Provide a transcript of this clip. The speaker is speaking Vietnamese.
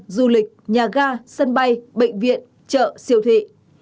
du lịch nhà ga sân bay bệnh viện chợ siêu thị